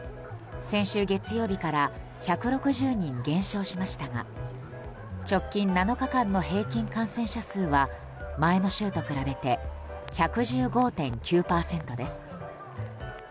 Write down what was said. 先週月曜日から１６０人減少しましたが直近７日間の平均感染者数は前の週と比べて１１５．９％です。